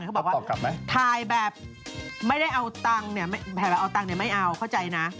เขาบอกว่าถ่ายแบบไม่ได้เอาตังเนี่ยไม่เอาเข้าใจนะ